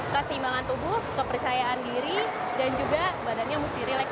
keseimbangan tubuh kepercayaan diri dan juga badannya mesti relax